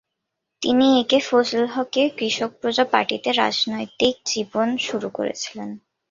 তিনি A K Fazlul হকের কৃষক প্রজা পার্টিতে রাজনৈতিক জীবন শুরু করেছিলেন।